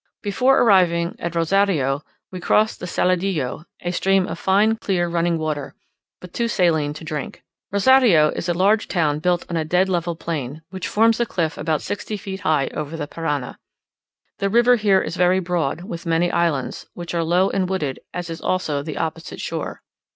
Before arriving at Rozario, we crossed the Saladillo, a stream of fine clear running water, but too saline to drink. Rozario is a large town built on a dead level plain, which forms a cliff about sixty feet high over the Parana. The river here is very broad, with many islands, which are low and wooded, as is also the opposite shore.